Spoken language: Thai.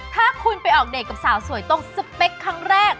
ถ้าคุณไปออกเดทกับสาวสวยตรงสเปคครั้งแรก